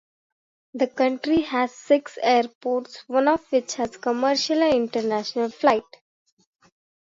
The country has six airports, one of which has commercial and international flights.